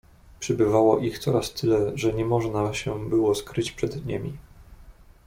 "Przybywało ich coraz tyle, że nie można się było skryć przed niemi."